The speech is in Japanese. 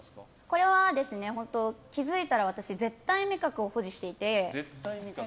これは気づいたら私絶対味覚を保持していて。